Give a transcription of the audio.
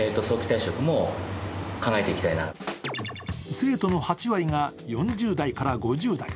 生徒の８割が４０代から５０代。